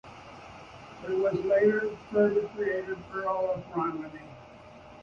He was later further created Earl of Romney.